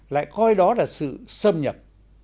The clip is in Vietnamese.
lại coi đó là sự xâm nhập